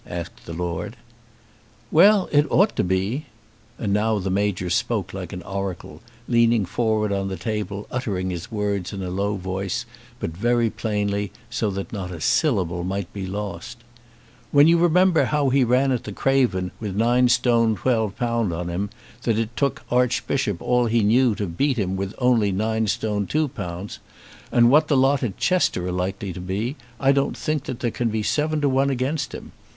asked the Lord. "Well; it ought to be." And now the Major spoke like an oracle, leaning forward on the table, uttering his words in a low voice, but very plainly, so that not a syllable might be lost. "When you remember how he ran at the Craven with 9 st. 12 lb. on him, that it took Archbishop all he knew to beat him with only 9 st. 2 lb., and what the lot at Chester are likely to be, I don't think that there can be seven to one against him.